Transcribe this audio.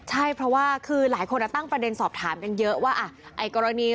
ใช่เพราะว่าคือหลายคนตั้งประเด็นสอบถามกันเยอะว่าไอ้กรณี